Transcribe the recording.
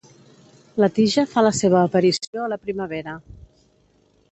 La tija fa la seva aparició a la primavera.